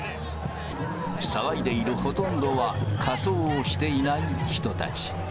騒いでいるほとんどは仮装をしていない人たち。